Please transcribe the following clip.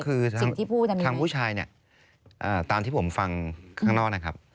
คือทางผู้ชายเนี่ยตามที่ผมฟังข้างนอกนะครับ